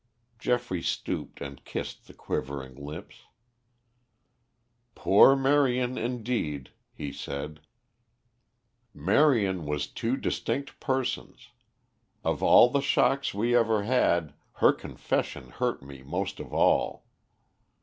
Geoffrey stooped and kissed the quivering lips. "Poor Marion, indeed!" he said. "Marion was two distinct persons. Of all the shocks we ever had, her confession hurt me most of all.